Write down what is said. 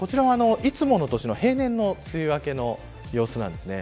いつもの年の平年の梅雨明けの様子です。